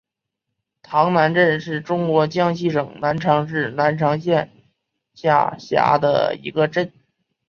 塘南镇是中国江西省南昌市南昌县下辖的一个镇。